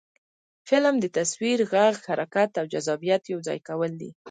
فلم د تصویر، غږ، حرکت او جذابیت یو ځای کول دي